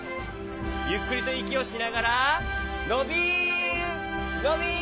ゆっくりといきをしながらのびるのびるストップ！